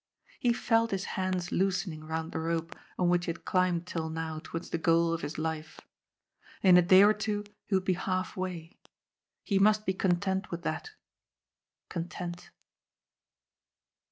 He felt his hands loosening round the rope, on which he had climbed till now towards the goal of his life. In a day or two he would be half way. He must be content with that. Content.